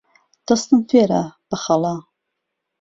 دهستم فێره بهخهڵه